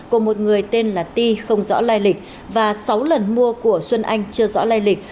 của một người tên là ti không rõ lai lịch và sáu lần mua của xuân anh chưa rõ lai lịch